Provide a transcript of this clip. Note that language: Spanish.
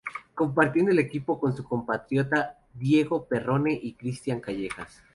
Compartiendo el equipo con su compatriota Diego Perrone y Christian Callejas.